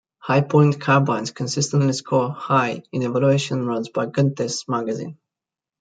Hi-Point carbines consistently score high in evaluations run by Gun Tests Magazine.